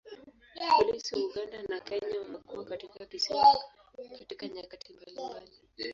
Polisi wa Uganda na Kenya wamekuwa katika kisiwa katika nyakati mbalimbali.